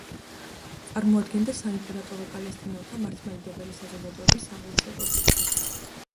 წარმოადგენდა საიმპერატორო პალესტინელთა მართლმადიდებელი საზოგადოების სამლოცველოს.